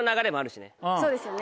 そうですよね。